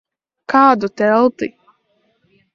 Kādu telti?